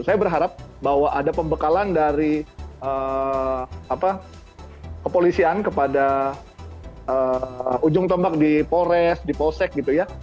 saya berharap bahwa ada pembekalan dari kepolisian kepada ujung tombak di polres di posek gitu ya